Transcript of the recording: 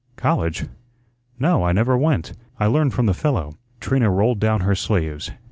College? No, I never went. I learned from the fellow." Trina rolled down her sleeves.